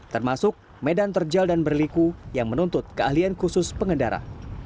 termasuk medan terjal dan berliku yang menuntut keahlian khusus pengendara